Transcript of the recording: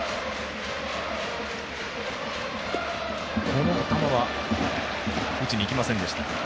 この球は打ちにいきませんでした。